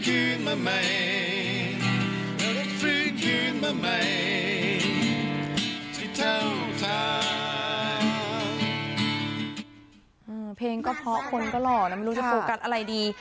เพลงก็เพราะคนก็หล่อนะไม่รู้จะโฟกัสอะไรดี